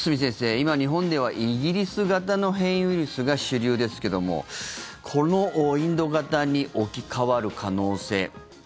今、日本ではイギリス型の変異ウイルスが主流ですけどもこのインド型に置き換わる可能性。